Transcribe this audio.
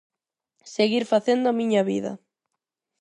Seguir facendo a miña vida.